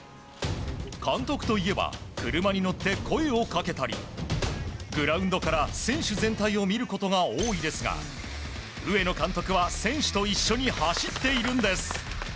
監督といえば車に乗って声をかけたりグラウンドから選手全体を見ることが多いですが上野監督は選手と一緒に走っているんです。